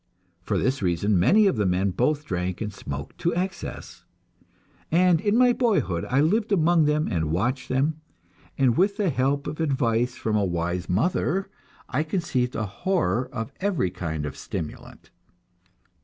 For this reason many of the men both drank and smoked to excess, and in my boyhood I lived among them and watched them, and with the help of advice from a wise mother, I conceived a horror of every kind of stimulant.